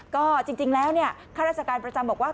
ก็จริงแล้วข้าราชการประจำบอกว่า